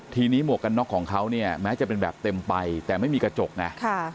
ทีนี้หมวกกันน็อกของเขาเนี่ยแม้จะเป็นแบบเต็มใบแต่ไม่มีกระจกไง